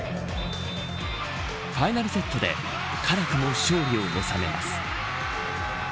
ファイナルセットで辛くも勝利を収めます。